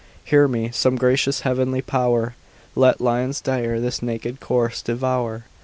Hear me, some gracious heavenly power, Let lions dire this naked corse devour.